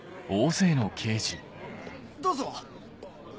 どうぞ。